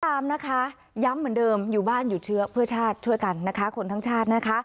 ตามนะคะย้ำเหมือนเดิมอยู่บ้านหยุดเชื้อเพื่อชาติช่วยกันนะคะคนทั้งชาตินะคะ